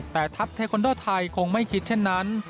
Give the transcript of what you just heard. แต่ทัพเทคอนโดไทยคงไม่คิดเช่นนั้น